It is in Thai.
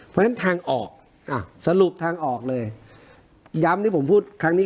เพราะฉะนั้นทางออกสรุปทางออกเลยย้ำที่ผมพูดครั้งนี้